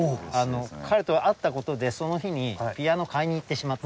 彼と会った事でその日にピアノを買いに行ってしまった。